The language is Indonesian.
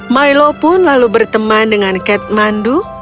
milo pun lalu berteman dengan cat mandu